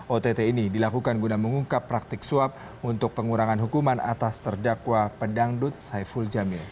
ott ini dilakukan guna mengungkap praktik suap untuk pengurangan hukuman atas terdakwa pedangdut saiful jamil